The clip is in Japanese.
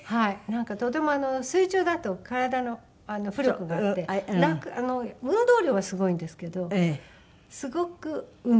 なんかとても水中だと体の浮力があって運動量はすごいんですけどすごくすごく楽なんです。